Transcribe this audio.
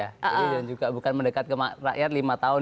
dan juga bukan mendekat ke rakyat lima tahun